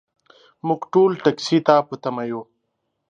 موږ ټول ټکسي ته په تمه یو .